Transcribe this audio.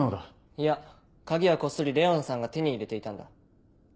いや鍵はこっそりレオナさんが手に入れていたんだ。